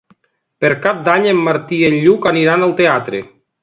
Per Cap d'Any en Martí i en Lluc aniran al teatre.